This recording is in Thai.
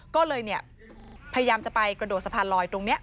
ก็เลยพยายามจะไปกระโดดสะพานลอยตรงนี้